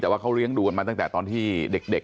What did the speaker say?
แต่ว่าเขาเลี้ยงดูกันมาตั้งแต่ตอนที่เด็ก